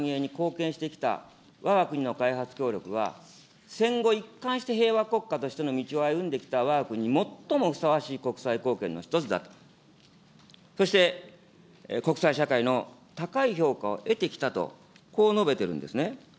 非軍事的協力によって世界の平和と繁栄に貢献してきたわが国の開発協力は、戦後一貫して平和国家としての道を歩んできたわが国に最もふさわしい国際貢献の一つだと、そして、国際社会の高い評価を得てきたと、こう述べてるんですね。